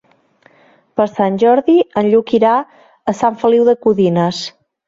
Per Sant Jordi en Lluc irà a Sant Feliu de Codines.